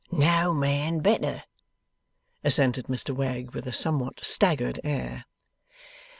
'No man better,' assented Mr Wegg, with a somewhat staggered air.